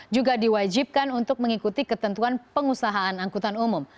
juga diwajibkan untuk mengikuti ketentuan pengusahaan angkutan umum